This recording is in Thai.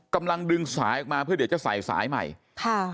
กำลังดึงสายออกมาเพื่อเดี๋ยวจะใส่สายใหม่ค่ะ